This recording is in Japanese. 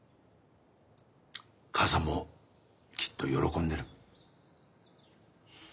母さんもきっと喜んでる。